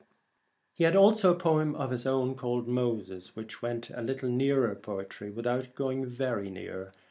He had also a poem of his own called Moses, which went a little nearer poetry without going very near.